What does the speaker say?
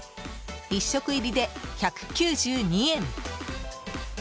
１食入りで１９２円。